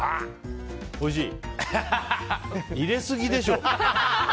入れすぎでしょ。